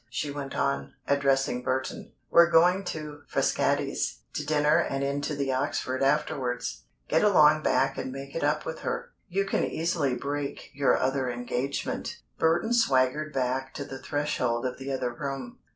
she went on, addressing Burton. "We're going to Frascati's to dinner and into the Oxford afterwards. Get along back and make it up with her. You can easily break your other engagement." Burton swaggered back to the threshold of the other room.